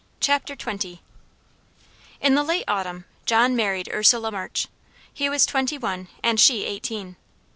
CHAPTER XX In the late autumn, John married Ursula March. He was twenty one, and she eighteen.